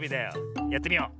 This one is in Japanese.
やってみよう。